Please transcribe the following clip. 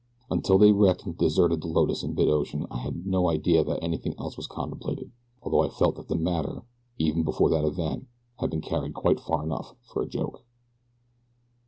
Until they wrecked and deserted the Lotus in mid ocean I had no idea that anything else was contemplated, although I felt that the matter, even before that event, had been carried quite far enough for a joke.